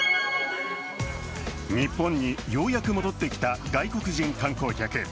日本にようやく戻ってきた外国人観光客。